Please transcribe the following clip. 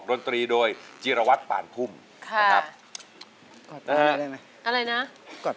เพลงนี้อยู่ในอาราบัมชุดแรกของคุณแจ็คเลยนะครับ